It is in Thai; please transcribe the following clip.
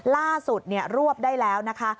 ล่าสุดรวบได้แล้วนะคะ